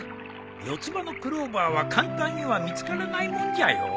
四つ葉のクローバーは簡単には見つからないもんじゃよ。